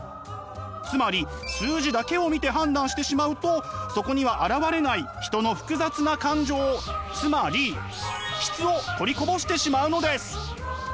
つまり数字だけを見て判断してしまうとそこには表れない人の複雑な感情つまり「質」を取りこぼしてしまうのです。